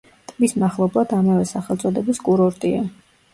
ტბის მახლობლად ამავე სახელწოდების კურორტია.